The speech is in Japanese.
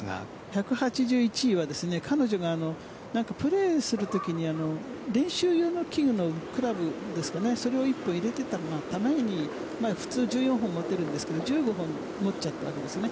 １８１位は彼女がプレーするときに練習用の器具のクラブそれを１本入れてたのが普通１４本持ってるんですが１５本持っちゃったんですよね。